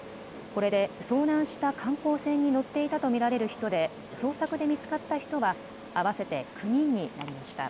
これで遭難した観光船に乗っていたと見られる人で捜索で見つかった人は合わせて９人になりました。